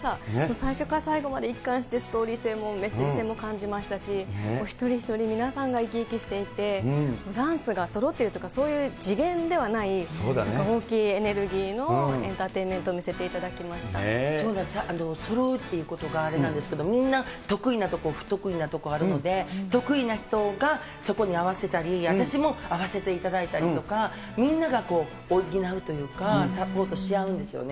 最初から最後まで一貫してストーリー性も、メッセージ性も感じましたし、一人一人、皆さんが生き生きしてて、ダンスがそろってるとか、そういう次元ではない大きいエネルギーのエンターテインメントをそろうっていうことがあれなんですけど、みんな得意なところ、不得意なところあるので、得意な人がそこに合わせたり、私も合わせていただいたりとか、みんなが補うというか、サポートし合うんですよね。